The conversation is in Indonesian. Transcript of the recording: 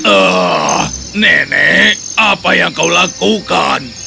eh nenek apa yang kau lakukan